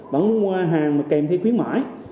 vẫn muốn mua hàng mà kèm thêm khuyến mãi